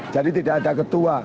jadi tidak ada ketua